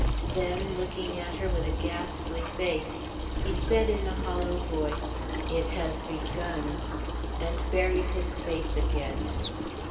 Then, looking at her with a ghastly face, he said in a hollow voice, "It has begun!" and buried his face again.